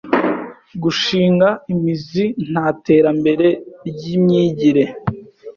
gushinga imizi nta 'terambere ry’imyigire